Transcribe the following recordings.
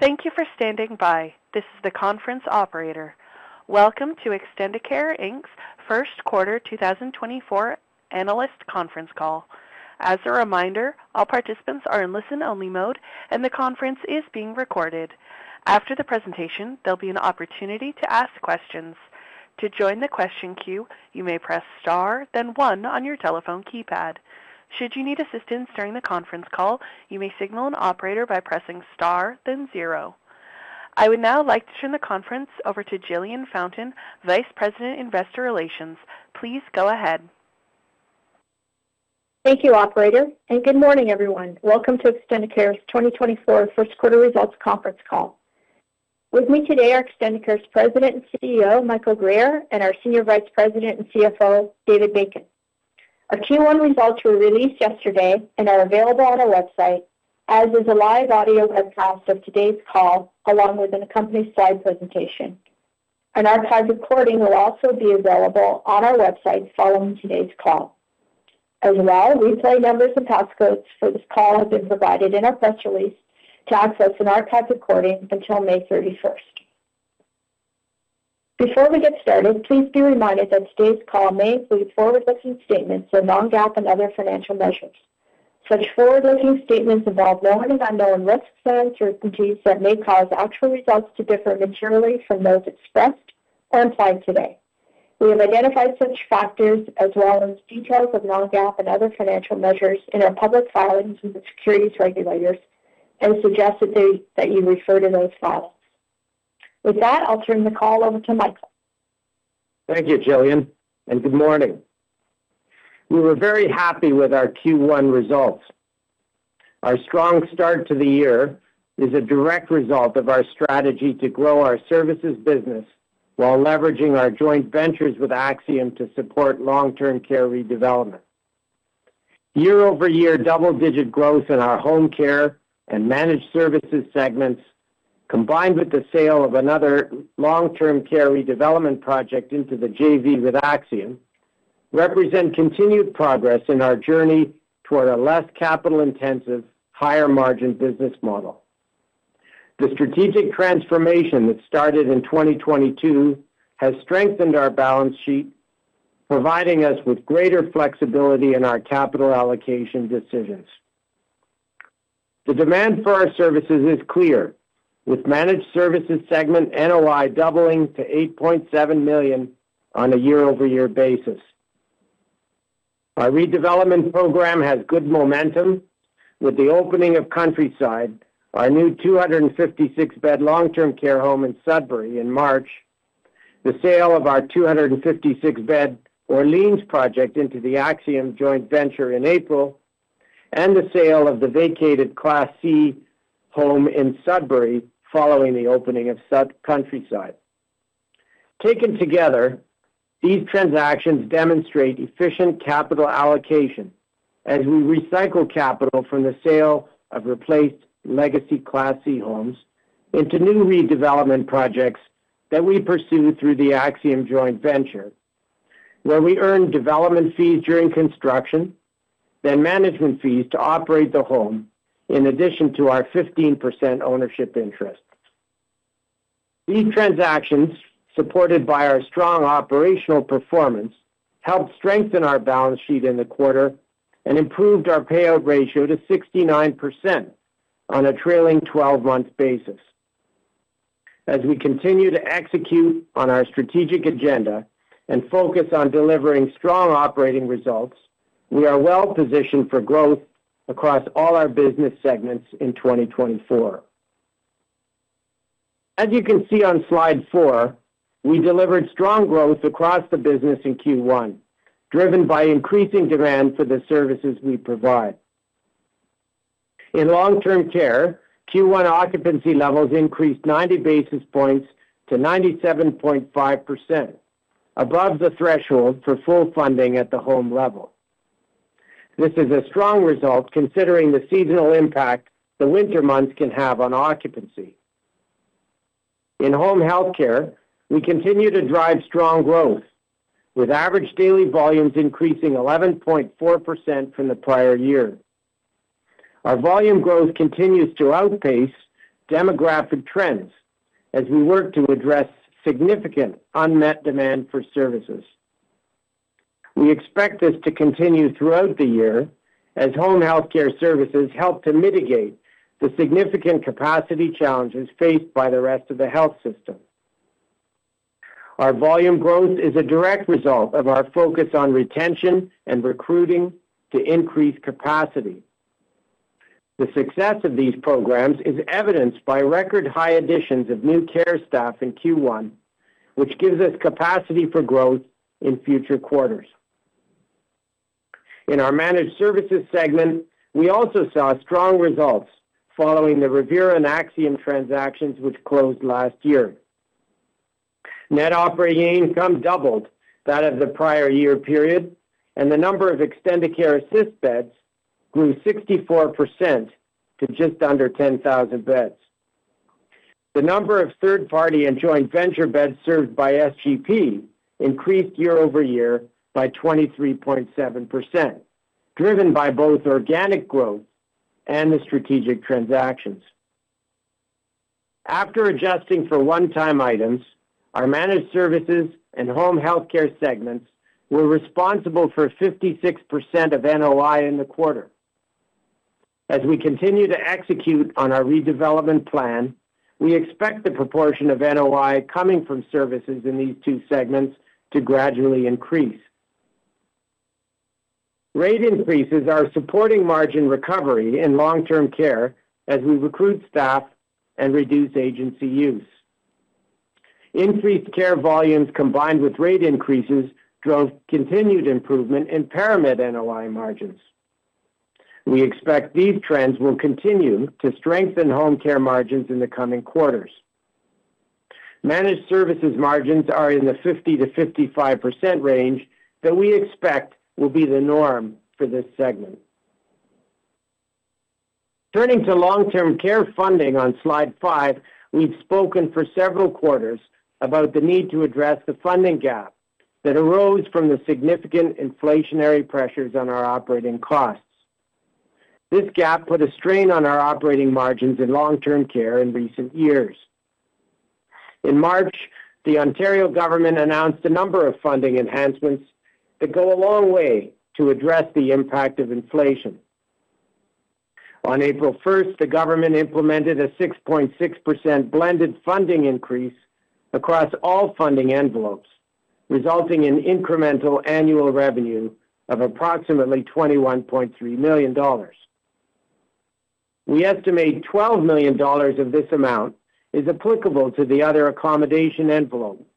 Thank you for standing by. This is the conference operator. Welcome to Extendicare Inc.'s First Quarter 2024 Analyst Conference Call. As a reminder, all participants are in listen-only mode, and the conference is being recorded. After the presentation, there'll be an opportunity to ask questions. To join the question queue, you may press star, then one on your telephone keypad. Should you need assistance during the conference call, you may signal an operator by pressing star then zero. I would now like to turn the conference over to Jillian Fountain, Vice President, Investor Relations. Please go ahead. Thank you, operator, and good morning, everyone. Welcome to Extendicare's 2024 First Quarter Results Conference Call. With me today are Extendicare's President and CEO, Michael Guerriere, and our Senior Vice President and CFO, David Bacon. Our Q1 results were released yesterday and are available on our website, as is a live audio webcast of today's call, along with an accompanied slide presentation. An archived recording will also be available on our website following today's call. As well, replay numbers and passcodes for this call have been provided in our press release to access an archived recording until May 31st. Before we get started, please be reminded that today's call may include forward-looking statements for non-GAAP and other financial measures. Such forward-looking statements involve known and unknown risks and uncertainties that may cause actual results to differ materially from those expressed or implied today. We have identified such factors as well as details of non-GAAP and other financial measures in our public filings with the securities regulators and suggest that you refer to those files. With that, I'll turn the call over to Michael. Thank you, Jillian, and good morning. We were very happy with our Q1 results. Our strong start to the year is a direct result of our strategy to grow our services business while leveraging our joint ventures with Axium to support long-term care redevelopment. Year-over-year double-digit growth in our home care and managed services segments, combined with the sale of another long-term care redevelopment project into the JV with Axium, represent continued progress in our journey toward a less capital-intensive, higher-margin business model. The strategic transformation that started in 2022 has strengthened our balance sheet, providing us with greater flexibility in our capital allocation decisions. The demand for our services is clear, with managed services segment NOI doubling to 8.7 million on a year-over-year basis. Our redevelopment program has good momentum with the opening of Countryside, our new 256-bed long-term care home in Sudbury in March, the sale of our 256-bed Orleans project into the Axium joint venture in April, and the sale of the vacated Class C home in Sudbury following the opening of Countryside. Taken together, these transactions demonstrate efficient capital allocation as we recycle capital from the sale of replaced legacy Class C homes into new redevelopment projects that we pursue through the Axium joint venture, where we earn development fees during construction, then management fees to operate the home, in addition to our 15% ownership interest. These transactions, supported by our strong operational performance, helped strengthen our balance sheet in the quarter and improved our payout ratio to 69% on a trailing twelve-month basis. As we continue to execute on our strategic agenda and focus on delivering strong operating results, we are well positioned for growth across all our business segments in 2024. As you can see on slide 4, we delivered strong growth across the business in Q1, driven by increasing demand for the services we provide. In long-term care, Q1 occupancy levels increased 90 basis points to 97.5%, above the threshold for full funding at the home level. This is a strong result considering the seasonal impact the winter months can have on occupancy. In home health care, we continue to drive strong growth, with average daily volumes increasing 11.4% from the prior year. Our volume growth continues to outpace demographic trends as we work to address significant unmet demand for services. We expect this to continue throughout the year as home healthcare services help to mitigate the significant capacity challenges faced by the rest of the health system. Our volume growth is a direct result of our focus on retention and recruiting to increase capacity. The success of these programs is evidenced by record-high additions of new care staff in Q1, which gives us capacity for growth in future quarters. In our managed services segment, we also saw strong results following the Revera and Axium transactions, which closed last year. Net operating income doubled that of the prior year period, and the number of Extendicare Assist beds grew 64% to just under 10,000 beds. The number of third-party and joint venture beds served by SGP increased year-over-year by 23.7% driven by both organic growth and the strategic transactions. After adjusting for one-time items, our managed services and home healthcare segments were responsible for 56% of NOI in the quarter. As we continue to execute on our redevelopment plan, we expect the proportion of NOI coming from services in these two segments to gradually increase. Rate increases are supporting margin recovery in long-term care as we recruit staff and reduce agency use. Increased care volumes, combined with rate increases, drove continued improvement in ParaMed NOI margins. We expect these trends will continue to strengthen home care margins in the coming quarters. Managed services margins are in the 50% to 55% range that we expect will be the norm for this segment. Turning to long-term care funding on slide 5, we've spoken for several quarters about the need to address the funding gap that arose from the significant inflationary pressures on our operating costs. This gap put a strain on our operating margins in long-term care in recent years. In March, the Ontario government announced a number of funding enhancements that go a long way to address the impact of inflation. On April 1st, the government implemented a 6.6% blended funding increase across all funding envelopes, resulting in incremental annual revenue of approximately 21.3 million dollars. We estimate 12 million dollars of this amount is applicable to the other accommodation envelope,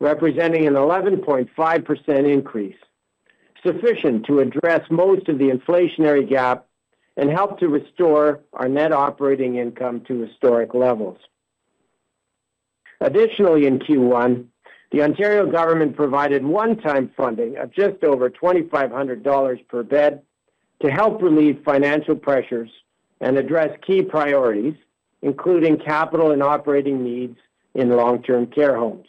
representing an 11.5% increase, sufficient to address most of the inflationary gap and help to restore our net operating income to historic levels. Additionally, in Q1, the Ontario government provided one-time funding of just over 2,500 dollars per bed to help relieve financial pressures and address key priorities, including capital and operating needs in the long-term care homes.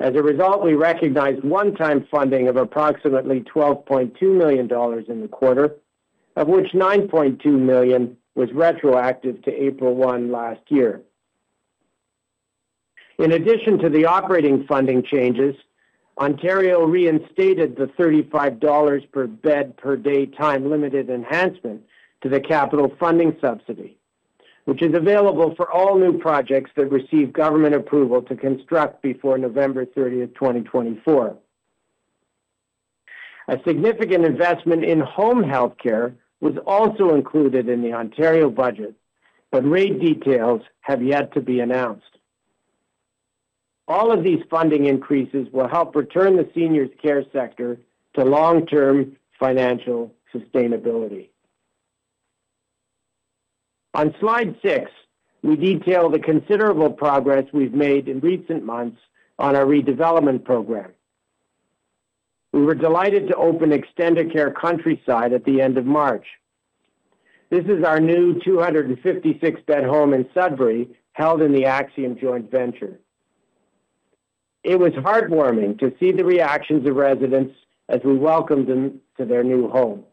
As a result, we recognized one-time funding of approximately 12.2 million dollars in the quarter, of which 9.2 million was retroactive to April 1 last year. In addition to the operating funding changes, Ontario reinstated the 35 dollars per bed per day time-limited enhancement to the capital funding subsidy, which is available for all new projects that receive government approval to construct before November 30 of 2024. A significant investment in home health care was also included in the Ontario budget, but rate details have yet to be announced. All of these funding increases will help return the seniors care sector to long-term financial sustainability. On slide 6, we detail the considerable progress we've made in recent months on our redevelopment program. We were delighted to open Extendicare Countryside at the end of March. This is our new 256-bed home in Sudbury, held in the Axium Joint Venture. It was heartwarming to see the reactions of residents as we welcomed them to their new home.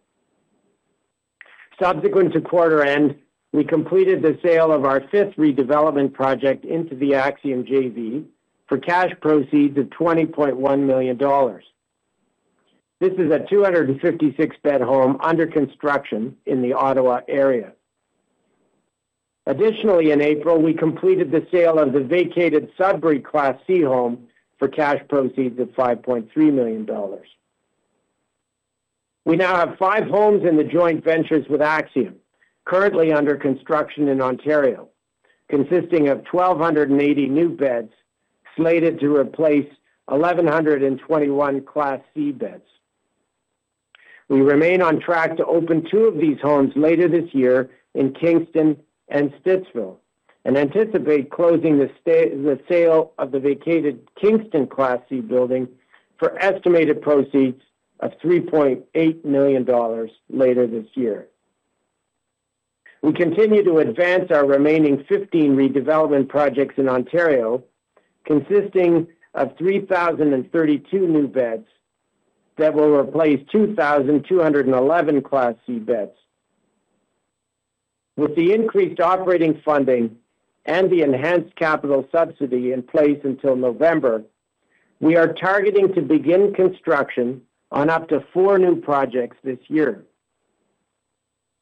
Subsequent to quarter end, we completed the sale of our fifth redevelopment project into the Axium JV for cash proceeds of 20.1 million dollars. This is a 256-bed home under construction in the Ottawa area. Additionally, in April, we completed the sale of the vacated Sudbury Class C home for cash proceeds of 5.3 million dollars. We now have five homes in the joint ventures with Axium, currently under construction in Ontario, consisting of 1,280 new beds slated to replace 1,121 Class C beds. We remain on track to open two of these homes later this year in Kingston and Stittsville, and anticipate closing the sale of the vacated Kingston Class C building for estimated proceeds of 3.8 million dollars later this year. We continue to advance our remaining 15 redevelopment projects in Ontario, consisting of 3,032 new beds that will replace 2,211 Class C beds. With the increased operating funding and the enhanced capital subsidy in place until November, we are targeting to begin construction on up to four new projects this year.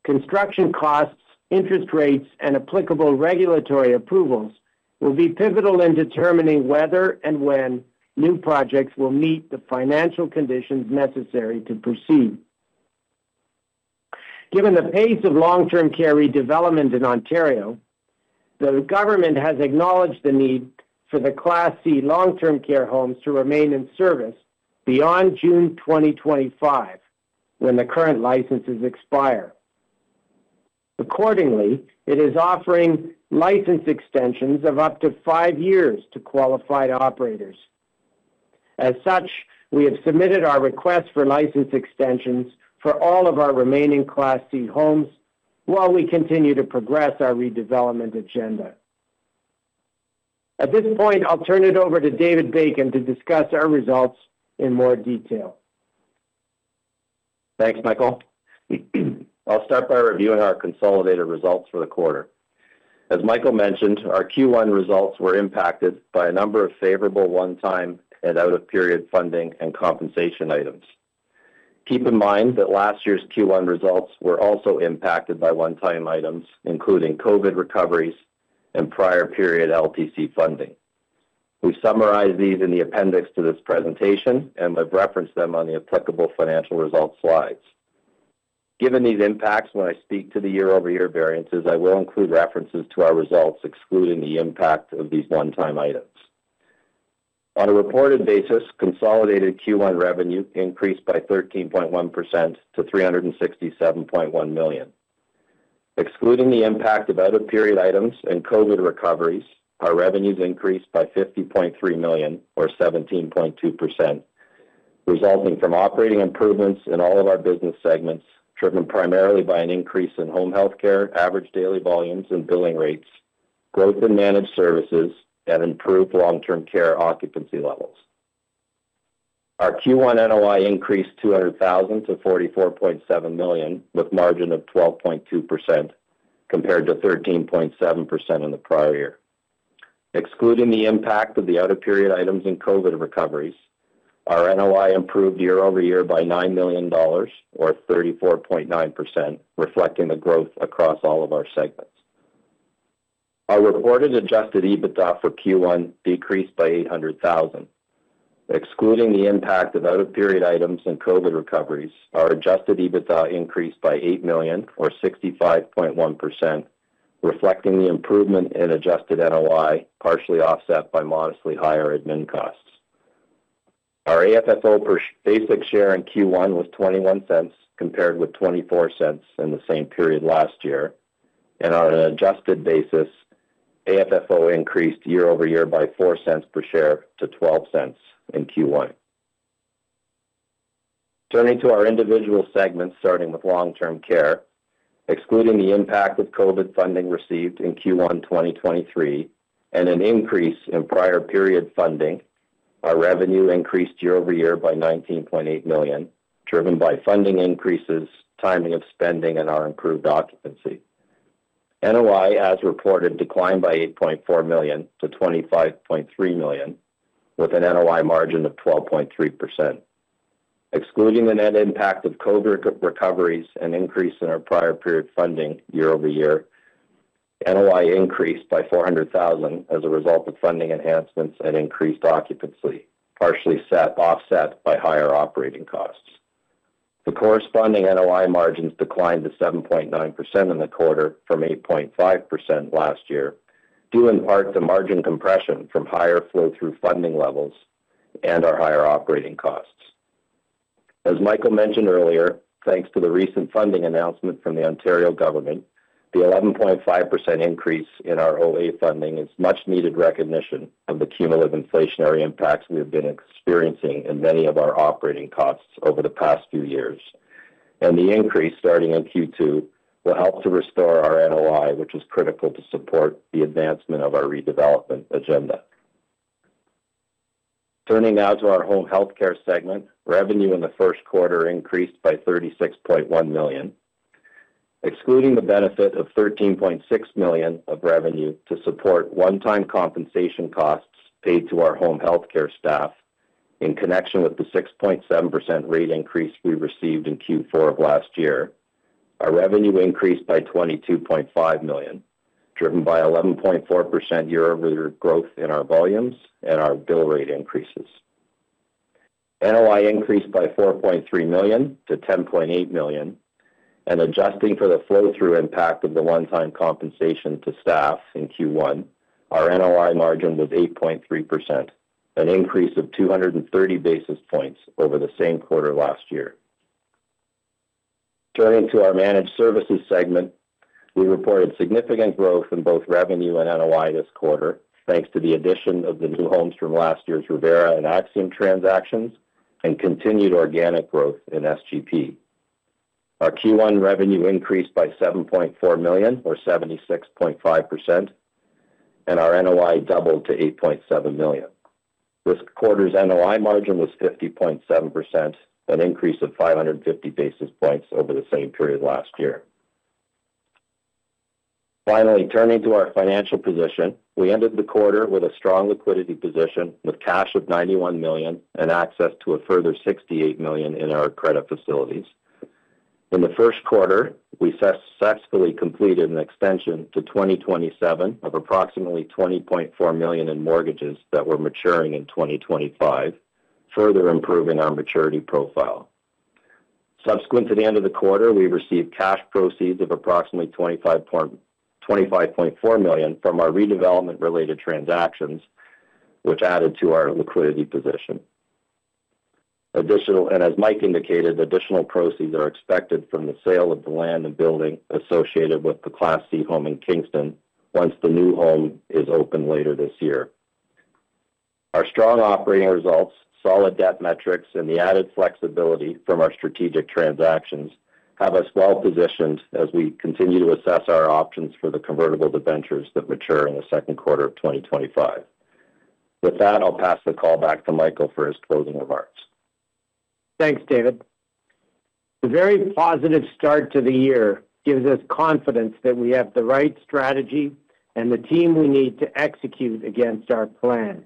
Construction costs, interest rates, and applicable regulatory approvals will be pivotal in determining whether and when new projects will meet the financial conditions necessary to proceed. Given the pace of long-term care redevelopment in Ontario, the government has acknowledged the need for the Class C long-term care homes to remain in service beyond June 2025, when the current licenses expire. Accordingly, it is offering license extensions of up to five years to qualified operators. As such, we have submitted our request for license extensions for all of our remaining Class C homes while we continue to progress our redevelopment agenda. At this point, I'll turn it over to David Bacon to discuss our results in more detail. Thanks, Michael. I'll start by reviewing our consolidated results for the quarter. As Michael mentioned, our Q1 results were impacted by a number of favorable one-time and out-of-period funding and compensation items. Keep in mind that last year's Q1 results were also impacted by one-time items, including COVID recoveries and prior period LTC funding. We've summarized these in the appendix to this presentation, and we've referenced them on the applicable financial results slides. Given these impacts, when I speak to the year-over-year variances, I will include references to our results, excluding the impact of these one-time items. On a reported basis, consolidated Q1 revenue increased by 13.1% to 367.1 million. Excluding the impact of out-of-period items and COVID recoveries, our revenues increased by 50.3 million, or 17.2%, resulting from operating improvements in all of our business segments, driven primarily by an increase in home health care, average daily volumes and billing rates, growth in managed services, and improved long-term care occupancy levels. Our Q1 NOI increased 200,000 to 44.7 million, with margin of 12.2%, compared to 13.7% in the prior year. Excluding the impact of the out-of-period items and COVID recoveries, our NOI improved year-over-year by 9 million dollars, or 34.9%, reflecting the growth across all of our segments. Our reported adjusted EBITDA for Q1 decreased by 800,000. Excluding the impact of out-of-period items and COVID recoveries, our adjusted EBITDA increased by 8 million, or 65.1%, reflecting the improvement in adjusted NOI, partially offset by modestly higher admin costs. Our AFFO per basic share in Q1 was 0.21, compared with 0.24 in the same period last year, and on an adjusted basis, AFFO increased year-over-year by 0.04 per share to 0.12 in Q1. Turning to our individual segments, starting with long-term care, excluding the impact of COVID funding received in Q1 2023 and an increase in prior period funding, our revenue increased year-over-year by 19.8 million, driven by funding increases, timing of spending, and our improved occupancy. NOI, as reported, declined by 8.4 million to 25.3 million, with an NOI margin of 12.3%. Excluding the net impact of COVID recoveries and increase in our prior period funding year-over-year, NOI increased by 400,000 as a result of funding enhancements and increased occupancy, partially offset by higher operating costs. The corresponding NOI margins declined to 7.9% in the quarter from 8.5% last year, due in part to margin compression from higher flow-through funding levels and our higher operating costs. As Michael mentioned earlier, thanks to the recent funding announcement from the Ontario government, the 11.5% increase in our OA funding is much needed recognition of the cumulative inflationary impacts we have been experiencing in many of our operating costs over the past few years, and the increase, starting in Q2, will help to restore our NOI, which is critical to support the advancement of our redevelopment agenda. Turning now to our home health care segment. Revenue in the first quarter increased by 36.1 million. Excluding the benefit of 13.6 million of revenue to support one-time compensation costs paid to our home health care staff in connection with the 6.7% rate increase we received in Q4 of last year, our revenue increased by 22.5 million, driven by 11.4% year-over-year growth in our volumes and our bill rate increases. NOI increased by 4.3 million to 10.8 million, and adjusting for the flow-through impact of the one-time compensation to staff in Q1, our NOI margin was 8.3%, an increase of 230 basis points over the same quarter last year. Turning to our managed services segment, we reported significant growth in both revenue and NOI this quarter, thanks to the addition of the new homes from last year's Revera and Axium transactions and continued organic growth in SGP. Our Q1 revenue increased by 7.4 million, or 76.5%, and our NOI doubled to 8.7 million. This quarter's NOI margin was 50.7%, an increase of 550 basis points over the same period last year. Finally, turning to our financial position, we ended the quarter with a strong liquidity position, with cash of 91 million and access to a further 68 million in our credit facilities. In the first quarter, we successfully completed an extension to 2027 of approximately 20.4 million in mortgages that were maturing in 2025, further improving our maturity profile. Subsequent to the end of the quarter, we received cash proceeds of approximately 25.4 million from our redevelopment-related transactions, which added to our liquidity position. Additional, and as Mike indicated, additional proceeds are expected from the sale of the land and building associated with the Class C home in Kingston, once the new home is open later this year. Our strong operating results, solid debt metrics, and the added flexibility from our strategic transactions have us well-positioned as we continue to assess our options for the convertible debentures that mature in the second quarter of 2025. With that, I'll pass the call back to Michael for his closing remarks. Thanks, David. The very positive start to the year gives us confidence that we have the right strategy and the team we need to execute against our plan.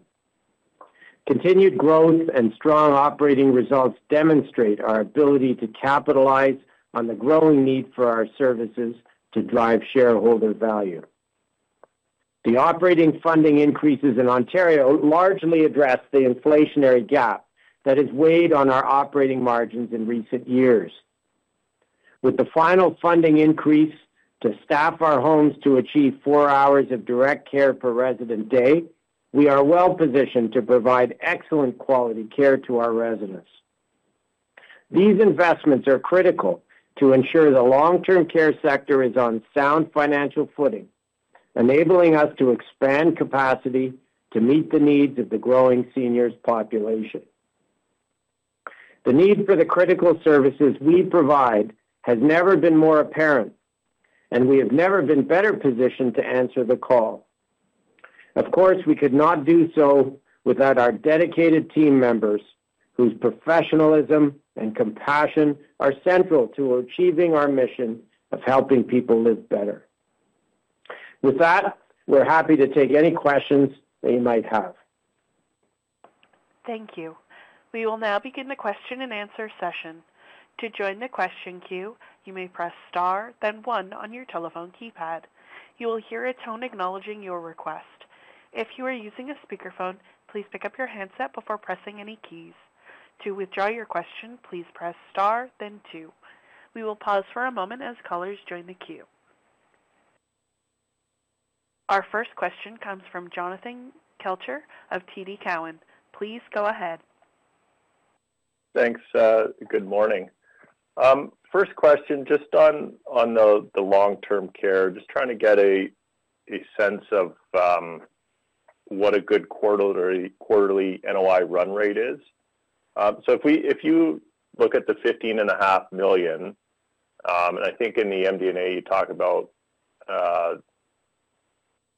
Continued growth and strong operating results demonstrate our ability to capitalize on the growing need for our services to drive shareholder value. The operating funding increases in Ontario largely address the inflationary gap that has weighed on our operating margins in recent years. With the final funding increase to staff our homes to achieve four hours of direct care per resident day, we are well-positioned to provide excellent quality care to our residents. These investments are critical to ensure the long-term care sector is on sound financial footing, enabling us to expand capacity to meet the needs of the growing seniors population. The need for the critical services we provide has never been more apparent, and we have never been better positioned to answer the call. Of course, we could not do so without our dedicated team members, whose professionalism and compassion are central to achieving our mission of helping people live better. With that, we're happy to take any questions that you might have. Thank you. We will now begin the question-and-answer session. To join the question queue, you may press star, then one on your telephone keypad. You will hear a tone acknowledging your request. If you are using a speakerphone, please pick up your handset before pressing any keys. To withdraw your question, please press star then two. We will pause for a moment as callers join the queue. Our first question comes from Jonathan Kelcher of TD Cowen. Please go ahead. Thanks, good morning. First question, just on the long-term care. Just trying to get a sense of what a good quarterly NOI run rate is. So if you look at the 15.5 million, and I think in the MD&A, you talk about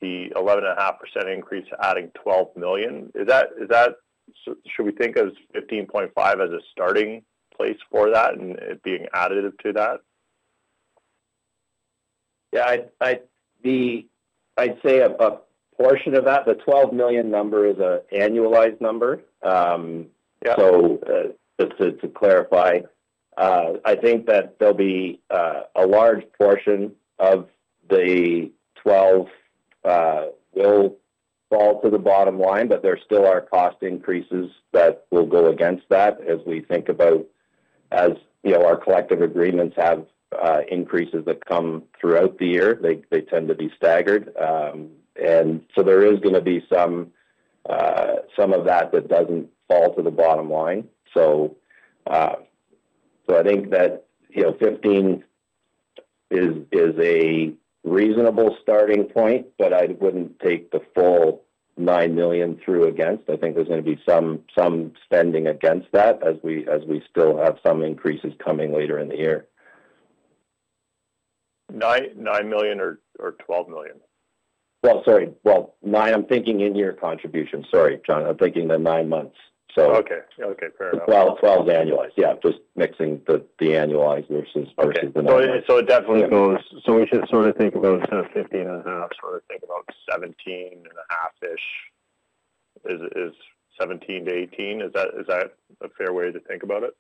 the 11.5% increase, adding 12 million, should we think of 15.5 as a starting place for that and it being additive to that? Yeah, I'd say a portion of that, the 12 million number is an annualized number. Yeah. So, just to clarify, I think that there'll be a large portion of the 12 million will fall to the bottom line, but there still are cost increases that will go against that as we think about, you know, our collective agreements have increases that come throughout the year, they tend to be staggered. And so there is going to be some of that that doesn't fall to the bottom line. So, I think that, you know, 15 is a reasonable starting point, but I wouldn't take the full 9 million through against. I think there's going to be some spending against that as we still have some increases coming later in the year. 9.9 million or 12 million? Well, sorry. Well, 9 million, I'm thinking in year contribution. Sorry, John, I'm thinking the nine months, so. Okay. Okay, fair enough. 12 million, 12 million annualized. Yeah, just mixing the annualized versus the- So it definitely goes. So we should sort of think about sort of 15.5 million, sort of think about 17.5-ish million. Is 17 million to 18 million, is that, is that a fair way to think about it?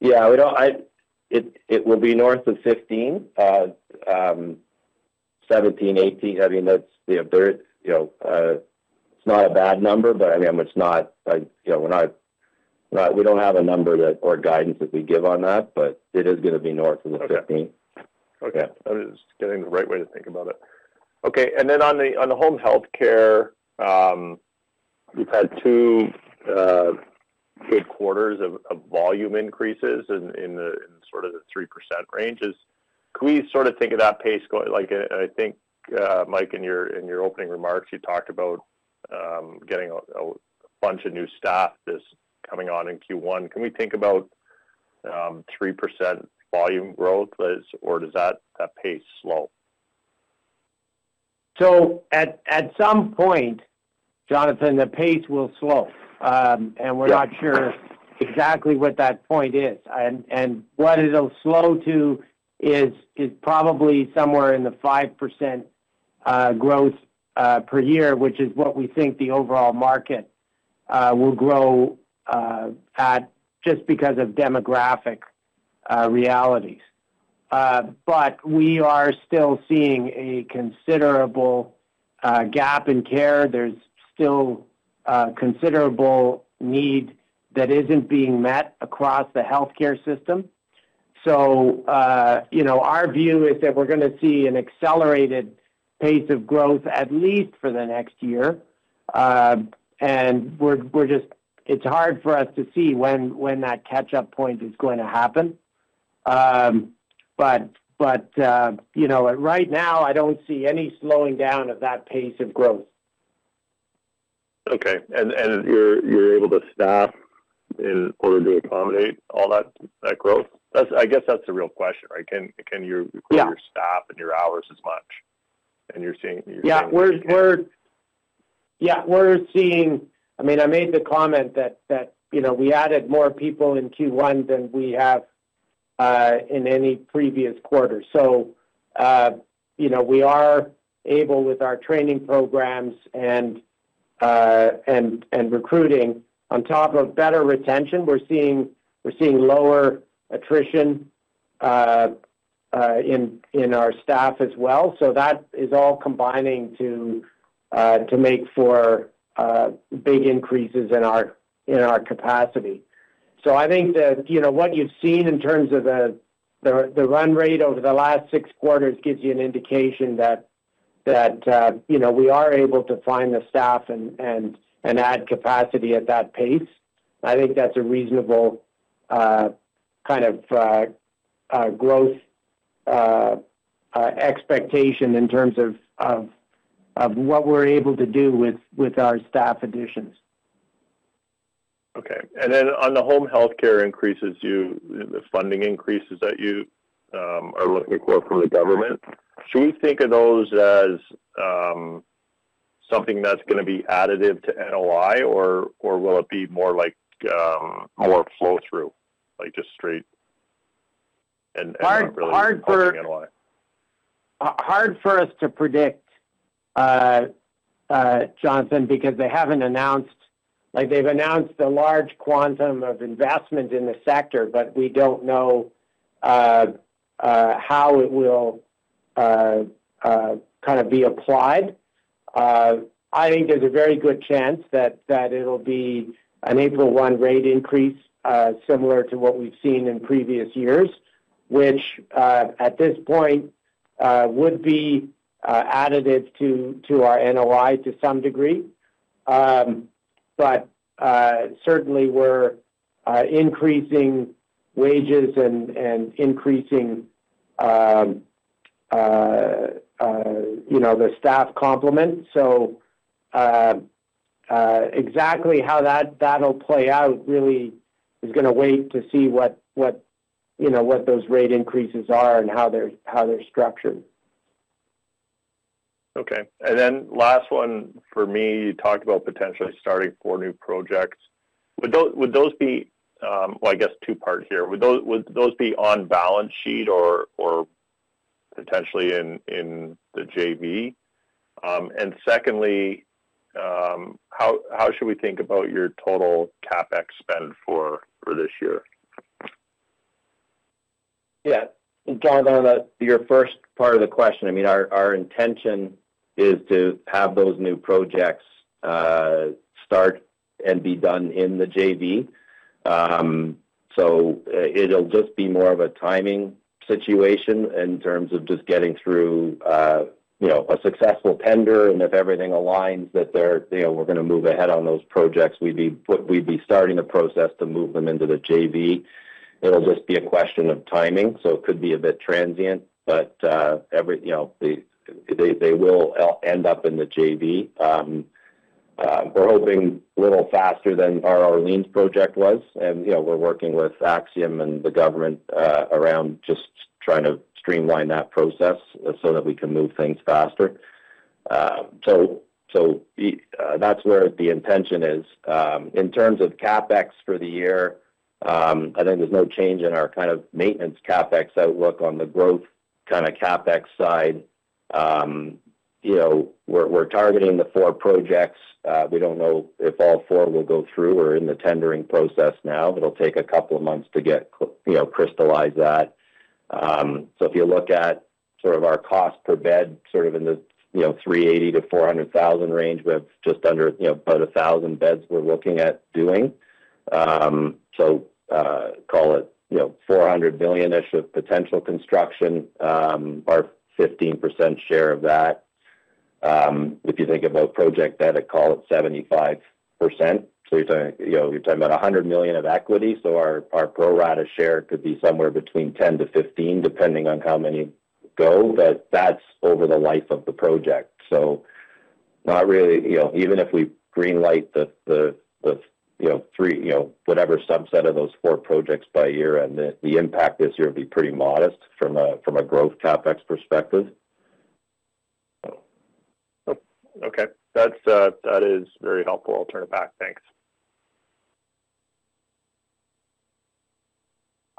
Yeah, we don't. It will be north of 15 million. 17 million, 18 million, I mean, that's, you know, you know, it's not a bad number, but I mean, it's not, you know, we're not, we don't have a number, or guidance, that we give on that, but it is going to be north of the 15 million. Okay. I'm just getting the right way to think about it. Okay, and then on the home healthcare, we've had two good quarters of volume increases in the in sort of the three percent ranges. Can we sort of think of that pace going, like, I think, Mike, in your opening remarks, you talked about getting a bunch of new staff just coming on in Q1. Can we think about three percent volume growth, or does that pace slow? So at some point, Jonathan, the pace will slow, and we're not sure exactly what that point is. And what it'll slow to is probably somewhere in the 5% growth per year, which is what we think the overall market will grow at just because of demographic realities. But we are still seeing a considerable gap in care. There's still considerable need that isn't being met across the healthcare system. So you know, our view is that we're going to see an accelerated pace of growth, at least for the next year. And It's hard for us to see when that catch-up point is going to happen. But you know, right now, I don't see any slowing down of that pace of growth. Okay. And you're able to staff in order to accommodate all that growth? That's the real question, right? Yeah. Can you recruit your staff and your hours as much, and you're seeing? Yeah, we're seeing. I mean, I made the comment that, you know, we added more people in Q1 than we have in any previous quarter. So, you know, we are able with our training programs and recruiting on top of better retention, we're seeing lower attrition in our staff as well. So that is all combining to make for big increases in our capacity. So I think that, you know, what you've seen in terms of the run rate over the last six quarters gives you an indication that, you know, we are able to find the staff and add capacity at that pace. I think that's a reasonable kind of growth expectation in terms of what we're able to do with our staff additions. Okay. And then on the home healthcare increases, you the funding increases that you are looking for from the government, should we think of those as something that's going to be additive to NOI, or will it be more like more flow-through, like just straight and not really impacting NOI? Hard for us to predict, Jonathan, because they haven't announced, like, they've announced a large quantum of investment in the sector, but we don't know how it will kind of be applied. I think there's a very good chance that it'll be an April 1 rate increase, similar to what we've seen in previous years, which at this point would be additive to our NOI to some degree. But certainly we're increasing wages and increasing you know the staff complement. So exactly how that'll play out really is going to wait to see what you know what those rate increases are and how they're structured. Okay. And then last one for me, you talked about potentially starting four new projects. Would those be on balance sheet or potentially in the JV? Well, I guess two parts here. Would those be on balance sheet or potentially in the JV? And secondly, how should we think about your total CapEx spend for this year? Yeah, Jonathan, on your first part of the question, I mean, our intention is to have those new projects start and be done in the JV. So it'll just be more of a timing situation in terms of just getting through a successful tender, and if everything aligns, that they're, you know, we're going to move ahead on those projects. We'd be starting the process to move them into the JV. It'll just be a question of timing, so it could be a bit transient, but every, you know, they will end up in the JV. We're hoping a little faster than our Orleans project was, and, you know, we're working with Axium and the government around just trying to streamline that process so that we can move things faster. So, that's where the intention is. In terms of CapEx for the year, I think there's no change in our kind of maintenance CapEx outlook on the growth kind of CapEx side. You know, we're targeting the four projects. We don't know if all four will go through. We're in the tendering process now. It'll take a couple of months to get, you know, crystallize that. So if you look at sort of our cost per bed, sort of in the, you know, 380,000 to 400,000 range, we have just under, you know, about 1,000 beds we're looking at doing. So, call it, you know, 400 million-ish of potential construction, our 15% share of that. If you think about project debt, I'd call it 75%. So you're talking, you know, you're talking about 100 million of equity. So our pro rata share could be somewhere between 10 million to 15 million, depending on how many go, but that's over the life of the project. So not really, you know, even if we greenlight the, you know, three, you know, whatever subset of those four projects by year-end, the impact this year would be pretty modest from a growth CapEx perspective. Okay. That is very helpful. I'll turn it back. Thanks.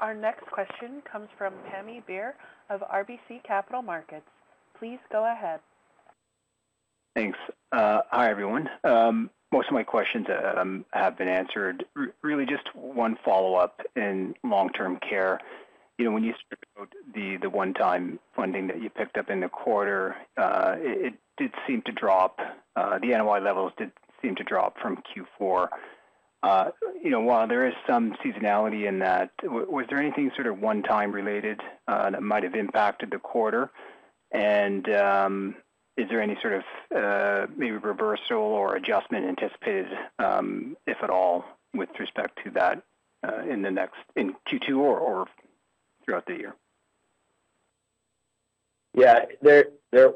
Our next question comes from Pammi Bir of RBC Capital Markets. Please go ahead. Thanks. Hi, everyone. Most of my questions have been answered. Really just one follow-up in long-term care. You know, when you spoke about the one-time funding that you picked up in the quarter, it did seem to drop, the NOI levels did seem to drop from Q4. You know, while there is some seasonality in that, was there anything sort of one-time related that might have impacted the quarter? And, is there any sort of maybe reversal or adjustment anticipated, if at all, with respect to that, in the next, in Q2 or throughout the year? Yeah, there,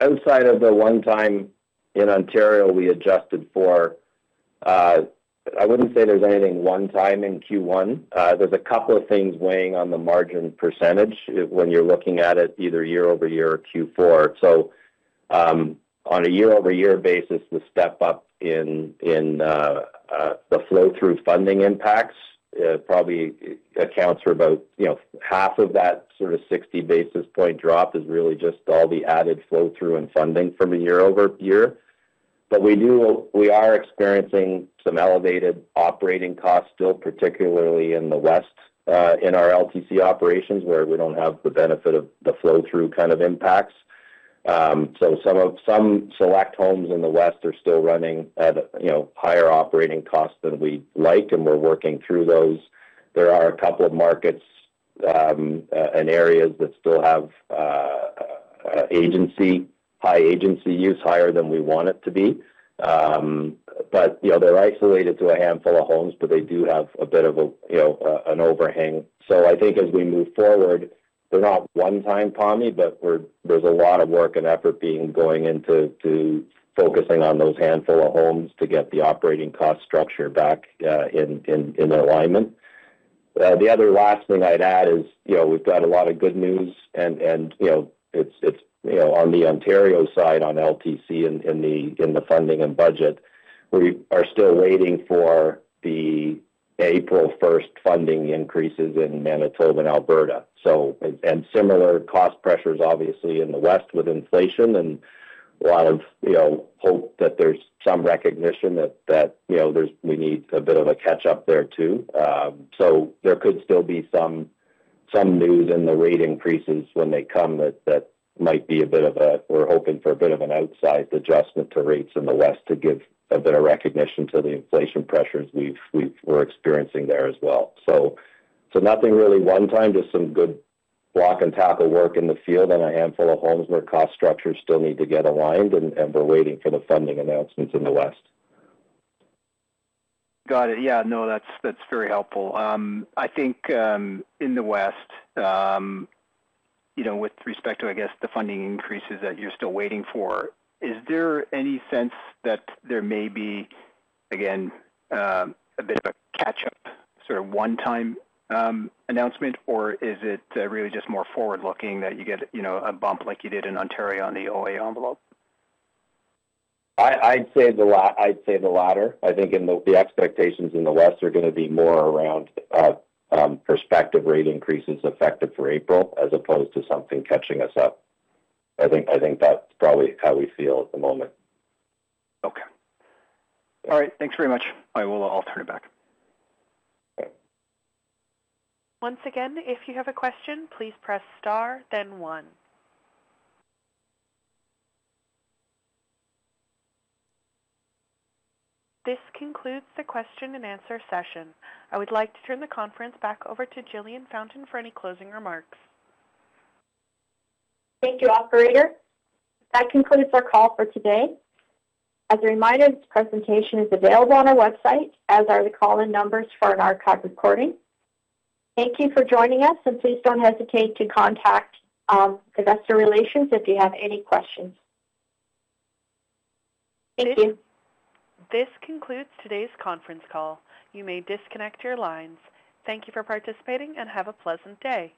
outside of the one time in Ontario we adjusted for, I wouldn't say there's anything one time in Q1. There's a couple of things weighing on the margin percentage when you're looking at it either year-over-year or Q4. So, on a year-over-year basis, the step up in the flow-through funding impacts probably accounts for about, you know, half of that sort of 60 basis point drop is really just all the added flow-through and funding from a year-over-year. But we are experiencing some elevated operating costs still, particularly in the West, in our LTC operations, where we don't have the benefit of the flow-through kind of impacts. So some select homes in the West are still running at, you know, higher operating costs than we'd like, and we're working through those. There are a couple of markets and areas that still have agency, high agency use, higher than we want it to be. But, you know, they're isolated to a handful of homes, but they do have a bit of a, you know, an overhang. So I think as we move forward, they're not one time, Pammi, but there's a lot of work and effort being going into to focusing on those handful of homes to get the operating cost structure back in alignment. The other last thing I'd add is, you know, we've got a lot of good news and, you know, it's, you know, on the Ontario side, on LTC, in the funding and budget, we are still waiting for the April first funding increases in Manitoba and Alberta. So, and similar cost pressures, obviously in the West with inflation and a lot of, you know, hope that there's some recognition that, you know, there's, we need a bit of a catch up there, too. So there could still be some news in the rate increases when they come that might be a bit of a, we're hoping for a bit of an outsized adjustment to rates in the West to give a bit of recognition to the inflation pressures we've, we're experiencing there as well. So, nothing really one-time, just some good block and tackle work in the field on a handful of homes where cost structures still need to get aligned, and we're waiting for the funding announcements in the West. Got it. Yeah. No, that's, that's very helpful. I think, in the West, you know, with respect to the funding increases that you're still waiting for, is there any sense that there may be, again, a bit of a catch-up, sort of one-time, announcement or is it, really just more forward-looking that you get, you know, a bump like you did in Ontario on the OA envelope? I'd say the latter. I think the expectations in the West are going to be more around prospective rate increases effective for April, as opposed to something catching us up. I think that's probably how we feel at the moment. Okay. All right. Thanks very much. I'll turn it back. Once again, if you have a question, please press star, then One. This concludes the question and answer session. I would like to turn the conference back over to Jillian Fountain for any closing remarks. Thank you, operator. That concludes our call for today. As a reminder, this presentation is available on our website, as are the call-in numbers for an archive recording. Thank you for joining us, and please don't hesitate to contact Investor Relations if you have any questions. Thank you. This concludes today's conference call. You may disconnect your lines. Thank you for participating and have a pleasant day.